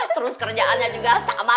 terus kerjaannya juga sama